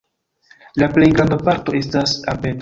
La plej granda parto estas arbedoj.